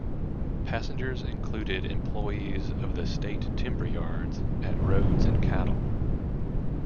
Passengers included employees of the State Timber yards at Rhodes and cattle.